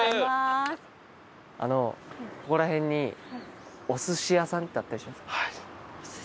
あのここら辺にお寿司屋さんってあったりしますか？